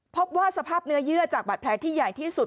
พบว่าสภาพเนื้อเยื่อจากบาดแผลที่ใหญ่ที่สุด